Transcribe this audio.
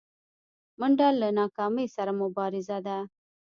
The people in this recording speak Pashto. منډه له ناکامۍ سره مبارزه ده